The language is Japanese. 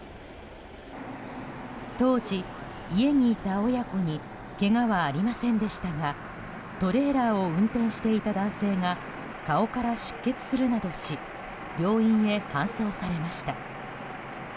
当時、家にいた親子にけがはありませんでしたがトレーラーを運転していた男性が顔から出血するなどし病院へ搬送されました。